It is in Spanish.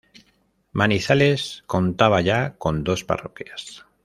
Manizales contaba ya con dos Parroquias.